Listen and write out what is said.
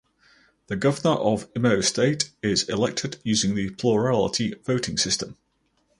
The Governor of Imo State is elected using the plurality voting system.